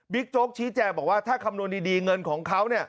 โจ๊กชี้แจงบอกว่าถ้าคำนวณดีเงินของเขา